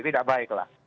itu tidak baiklah